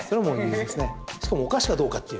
しかもお菓子かどうかっていう。